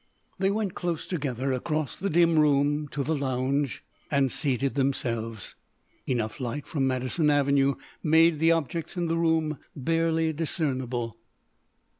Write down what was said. They went close together, across the dim room to the lounge, and seated themselves. Enough light from Madison Avenue made objects in the room barely discernible.